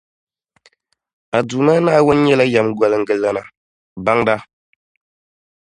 A Duuma Naawuni nyɛla Yεmgoliŋgalana, Baŋda.